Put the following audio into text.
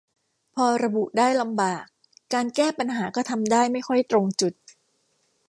พอระบุได้ลำบาก การแก้ปัญหาก็ทำได้ไม่ค่อยตรงจุด